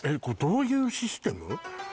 これどういうシステム？